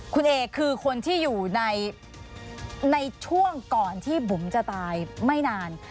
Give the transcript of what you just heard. คุณเอคือคนที่อยู่ในช่วงก่อนที่บุ๋มจะตายไม่นาน